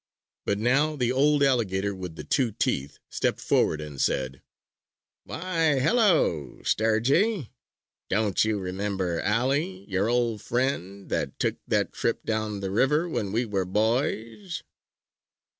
But now the old alligator with the two teeth stepped forward and said: "Why, hello, Sturgy. Don't you remember Ally, your old friend that took that trip down the river, when we were boys?"